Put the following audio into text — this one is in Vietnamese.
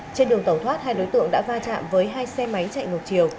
trên đường tẩu thoát hai đối tượng đã va chạm với hai xe máy chạy ngược chiều